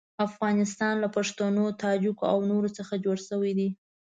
افغانستان له پښتنو، تاجکو او نورو څخه جوړ دی.